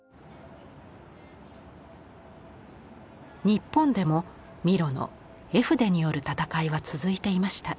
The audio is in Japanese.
日本でもミロの絵筆による戦いは続いていました。